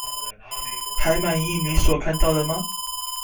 還滿意你所看到的嗎？